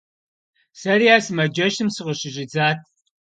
Сэри а сымаджэщым сыкъыщыщӏидзат.